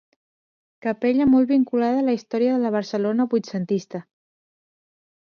Capella molt vinculada a la història de la Barcelona vuitcentista.